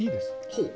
ほう。